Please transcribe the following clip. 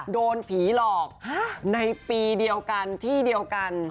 โดนผีหลอกในปีเดียวกันที่เดียวกัน